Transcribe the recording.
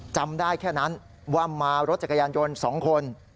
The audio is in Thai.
จำได้แค่นั้นว่ามารถจักรยานยนต์๒คน